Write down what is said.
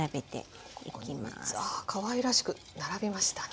かわいらしく並びましたね。